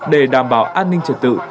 để đảm bảo an ninh trật tự